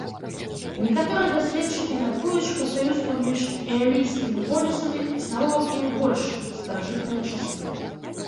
Некаторыя даследчыкі мяркуюць, што саюз паміж эалійскімі полісамі існаваў і ў больш старажытныя часы.